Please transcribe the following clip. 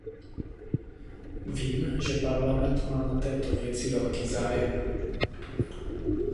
Vím, že Parlament má na této věci velký zájem.